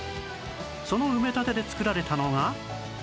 その埋め立てで造られたのが